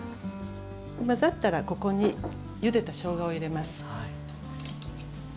混ざったらここにゆでたしょうがを入れます。